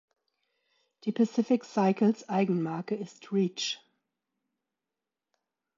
Die Pacific Cycles Eigenmarke ist "Reach".